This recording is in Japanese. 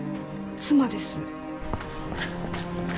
妻です。